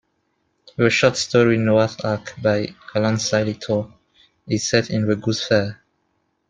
The short story "Noah's Ark" by Alan Sillitoe is set in the Goose Fair.